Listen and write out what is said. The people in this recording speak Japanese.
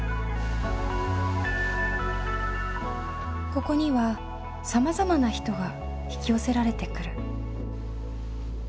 ここにはさまざまな人が引き寄せられてくる。